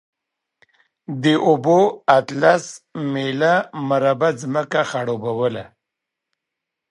دې اوبو اتلس میله مربع ځمکه خړوبوله.